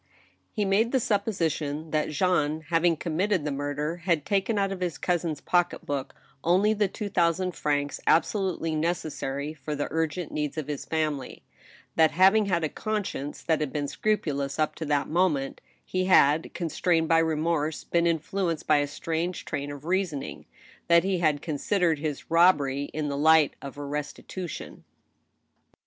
He made the supposition that Jean, ha\ing committed the mur der, had taken out of his cousin's pocket book only the two thousand francs absolutely necessary for the urgent needs of his family ; that having had a conscience that had been scrupulous up to that moment, he had, constrained by remorse, been influenced by a strange train of reasoning— that he had considered his robbery in 1^2 THE STEEL HAMMEI^. the light of a restitution.